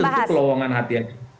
ini tentu kelowongan hati